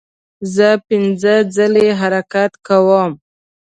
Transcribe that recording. زه پنځه ځلې حرکت کوم.